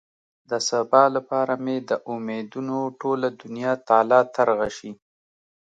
د سبا لپاره مې د امېدونو ټوله دنيا تالا ترغه شي.